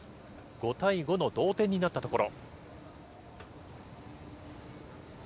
５対５の同点になったところ。